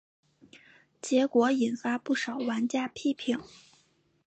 结果引发不少玩家批评。